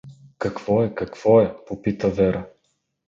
— Какво е? Какво е? — попита Вера.